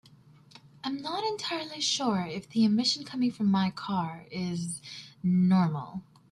I'm not entirely sure if the emission coming from my car is normal.